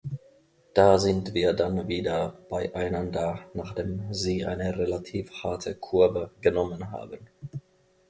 Da sind wir dann wieder beieinander, nachdem Sie eine relativ harte Kurve genommen haben.